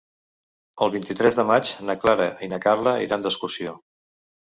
El vint-i-tres de maig na Clara i na Carla iran d'excursió.